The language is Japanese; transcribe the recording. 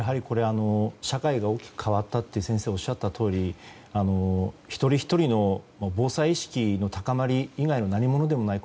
社会が大きく変わったと先生がおっしゃったとおり一人ひとりの防災意識の高まり以外の何ものでもない。